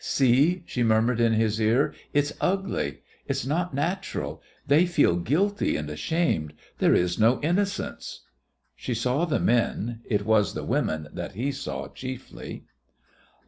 "See," she murmured in his ear, "it's ugly, it's not natural. They feel guilty and ashamed. There is no innocence!" She saw the men; it was the women that he saw chiefly.